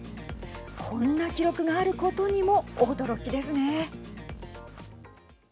こんな記録があることにも驚きですね。